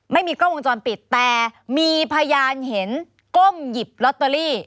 ไม่มีกล้องวงจรปิดแต่มีพยานเห็นก้มหยิบลอตเตอรี่